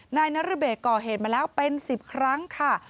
นายนรเบศก่อเหตุมาแล้วเป็น๑๐ครั้งค่ะ